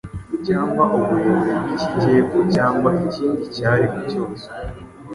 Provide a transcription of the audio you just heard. cyangwa uburebure bw’ikijyepfo, cyangwa ikindi cyaremwe cyose,